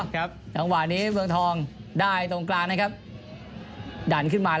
ครับเด๋งหวานนี้เวืองทองได้ตรงกลางนะครับดันขึ้นมาแล้ว